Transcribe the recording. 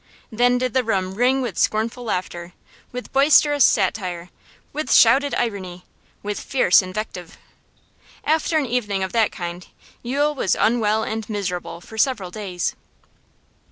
Then did the room ring with scornful laughter, with boisterous satire, with shouted irony, with fierce invective. After an evening of that kind Yule was unwell and miserable for several days.